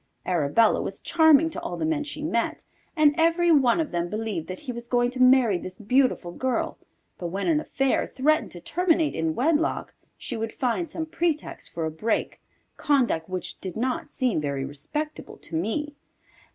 Arabella was charming to all the men she met, and every one of them believed that he was going to marry this beautiful girl, but when an affair threatened to terminate in wedlock, she would find some pretext for a break, conduct which did not seem very respectable to me.